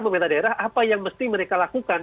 pemerintah daerah apa yang mesti mereka lakukan